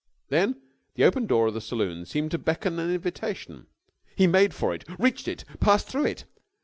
Then the open door of the saloon seemed to beckon an invitation. He made for it, reached it, passed through it.